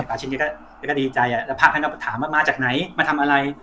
ป่าชินก็ก็แล้วก็ดีใจอะพ่าชินก็ถามว่ามาจากไหนมาทำอะไร